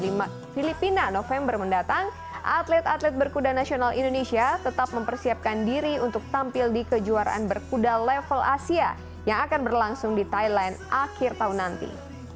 di filipina november mendatang atlet atlet berkuda nasional indonesia tetap mempersiapkan diri untuk tampil di kejuaraan berkuda level asia yang akan berlangsung di thailand akhir tahun nanti